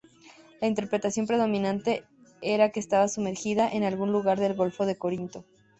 La interpretación predominante era que estaba sumergida en algún lugar del Golfo de Corinto.